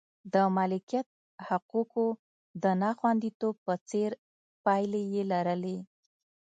د مالکیت حقوقو د ناخوندیتوب په څېر پایلې یې لرلې.